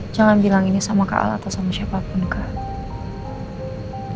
jangan bilang ini sama kak al atau sama siapapun kak